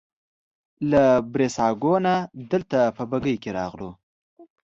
له بریساګو نه دلته په بګۍ کې راغلو.